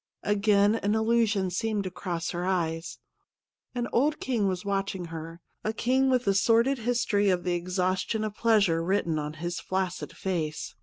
Again an illusion seemed to cross her eyes. An old king was watching her, a king with the sordid history of the exhaustion of pleasure written on his flaccid face.